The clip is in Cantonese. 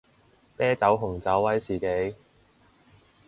啤酒紅酒威士忌